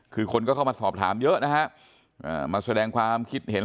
คือคนก็เข้ามาสอบถามเยอะนะฮะมาแสดงความคิดเห็น